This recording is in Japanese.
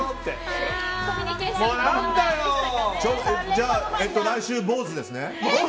じゃあ来週、坊主ですね。